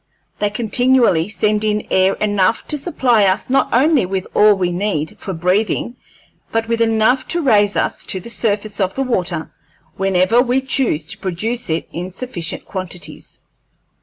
They continually send in air enough to supply us not only with all we need for breathing, but with enough to raise us to the surface of the water whenever we choose to produce it in sufficient quantities."